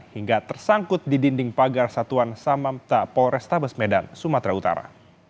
hingga tersangkut di dinding pagar satuan samamta polrestabes medan sumatera utara